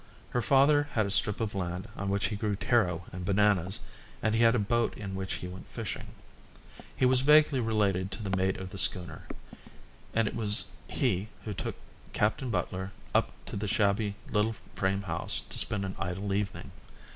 Her father had a strip of land on which he grew taro and bananas and he had a boat in which he went fishing. He was vaguely related to the mate of the schooner, and it was he who took Captain Butler up to the shabby little frame house to spend an idle evening.